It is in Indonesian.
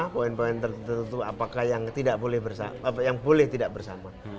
poin poin tertentu apakah yang boleh tidak bersama